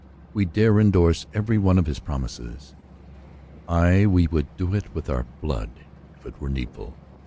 We dare endorse every one of his promises. Aye, we would do it with our blood if it were need ful